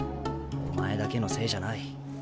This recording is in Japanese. お前だけのせいじゃない。